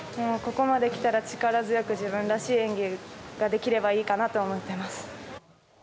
ここまできたら力強く自分らしい演技ができればいいかなと思ってます。